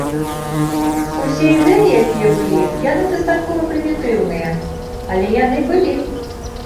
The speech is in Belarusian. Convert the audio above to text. Усе ідэі, якія былі, яны дастаткова прымітыўныя, але яны былі.